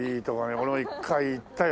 俺も１回行ったよ